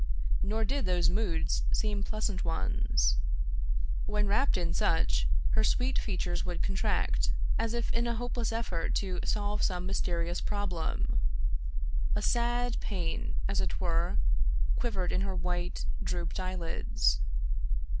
Nor did those moods seem pleasant ones. When rapt in such, her 59 Irish Mystery Stories sweet features would contract, as if in a hopeless eflfort to solve some mysterious problem. A sad pain, as it were, quivered in her white, drooped eyelids.